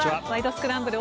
スクランブル」